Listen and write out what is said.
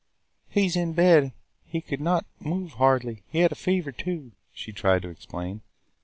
"He was in bed; he could not move hardly. He had a fever too," she tried to explain.